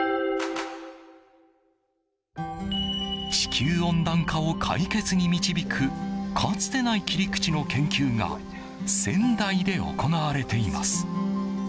地球温暖化を解決に導くかつてない切り口の研究が仙台で行われています。